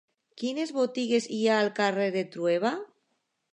Quines botigues hi ha al carrer de Trueba?